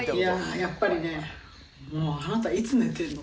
やっぱりね、もうあなた、いつ寝てるの？